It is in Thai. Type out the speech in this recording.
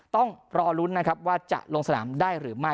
ต้องรอลุ้นนะครับว่าจะลงสนามได้หรือไม่